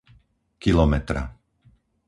kilometra